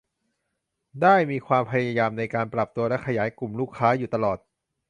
ได้มีความพยายามในการปรับตัวและขยายกลุ่มลูกค้าอยู่ตลอด